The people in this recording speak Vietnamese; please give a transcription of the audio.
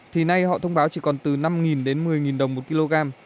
thì nay họ thông báo chỉ còn từ năm đến một mươi đồng một kg